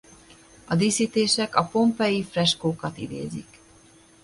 A díszítések a pompeii freskókat idézik.